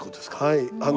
はい。